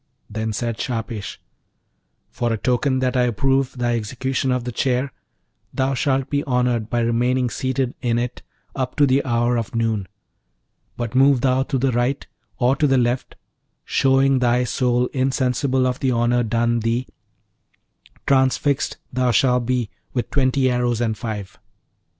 Then said Shahpesh, 'For a token that I approve thy execution of the chair, thou shalt be honoured by remaining seated in it up to the hour of noon; but move thou to the right or to the left, showing thy soul insensible of the honour done thee, transfixed thou shah be with twenty arrows and five.'